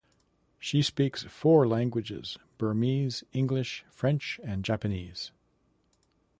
She speaks four languages: Burmese, English, French and Japanese.